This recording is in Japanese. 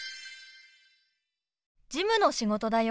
事務の仕事だよ。